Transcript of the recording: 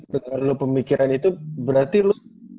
dengan lu pemikiran itu berarti lu